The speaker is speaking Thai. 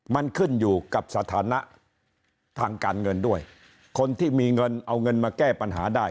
มันขึ้นอยู่กับสถานะทางการเงินด้วยคนที่มีเงินเอาเงินมาแก้ปัญหาได้